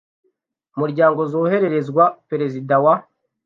muryango zohererezwa perezida wa